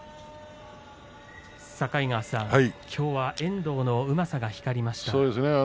境川さん、きょうの遠藤のうまさが光りましたね。